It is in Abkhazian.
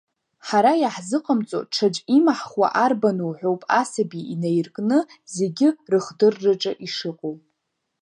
Ҳара иаҳзыҟамҵо ҽаӡә имаҳхуа арбану ҳәоуп асаби инаиркны зегьы рыхдырраҿы ишыҟоу.